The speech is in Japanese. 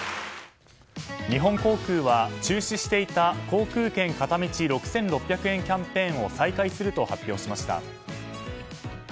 日本航空は、中止していた航空券片道６６００円キャンペーンを再開すると発表しました。